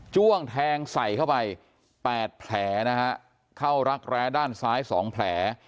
้วงแทงใส่เข้าไป๘แผลนะฮะเข้ารักแร้ด้านซ้าย๒แผล